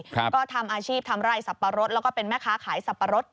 ก็ทำอาชีพทำไร่สับปะรดแล้วก็เป็นแม่ค้าขายสับปะรด